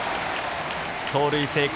盗塁成功。